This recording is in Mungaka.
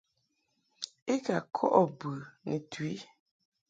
I ka kɔʼɨ bɨ ni tu i.